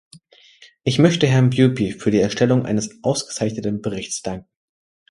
Ich möchte Herrn Beaupuy für die Erstellung eines ausgezeichneten Berichts danken.